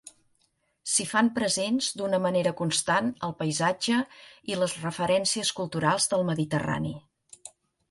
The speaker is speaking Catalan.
S'hi fan presents d'una manera constant el paisatge i les referències culturals del Mediterrani.